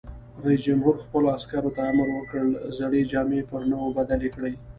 رئیس جمهور خپلو عسکرو ته امر وکړ؛ زړې جامې پر نوو بدلې کړئ!